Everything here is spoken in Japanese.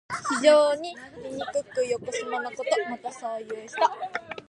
非常にみにくくよこしまなこと。また、そういう人。